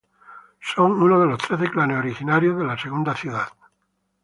Son uno de los trece clanes originarios de la Segunda Ciudad.